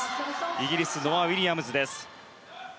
イギリス、ノア・ウィリアムズ。